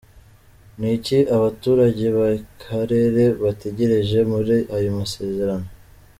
Ni iki abaturage b’akarere bategereje muri aya masezerano ?